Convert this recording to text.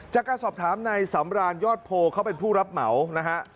จากการสอบถามในสำราญยอดโพเขาเป็นผู้รับเหมานะฮะ